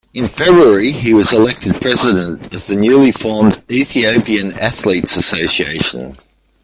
In February, he was elected president of the newly formed Ethiopian Athletes' Association.